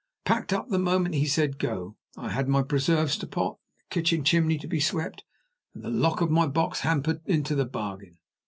Packed up the moment he said Go. I had my preserves to pot, and the kitchen chimney to be swept, and the lock of my box hampered into the bargain.